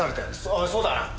おいそうだな？